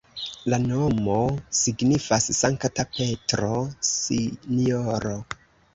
La nomo signifas Sankta Petro-Sinjoro.